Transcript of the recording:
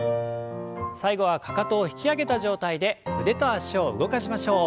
最後はかかとを引き上げた状態で腕と脚を動かしましょう。